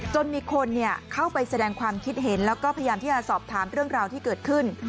จนมีคนเข้าไปแสดงความคิดเห็นแล้วก็พยายามที่จะสอบถามเรื่องราวที่เกิดขึ้น